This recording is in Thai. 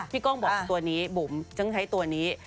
กล้องบอกตัวนี้บุ๋มฉันใช้ตัวนี้